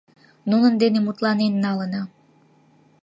Нунын дене мутланен налына.